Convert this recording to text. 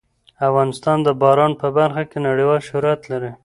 افغانستان د باران په برخه کې نړیوال شهرت لري.